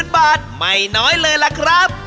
๐บาทไม่น้อยเลยล่ะครับ